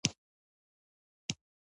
اوس لس بجې دي